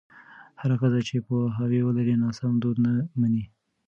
هره ښځه چې پوهاوی ولري، ناسم دود نه مني.